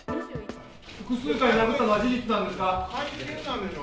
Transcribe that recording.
複数回殴ったのは事実なんで会見なんでしょ？